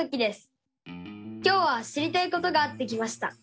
今日は知りたいことがあって来ました。